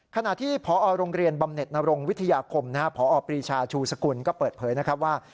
ขณะที่พอโรงเรียนบำเน็ตนรงวิทยาคมพอปรีชาชูสกุลก็เปิดเผยนะครับว่า